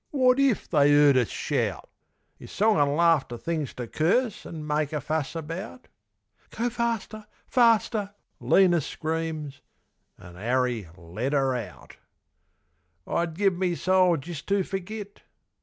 Wot it they 'eard us shout? Is song an' laughter things to curse An' make a fuss about? "Go faster! faster!" Lena screams. An' 'Arry let 'er out. I'd give me soul jist to ferget.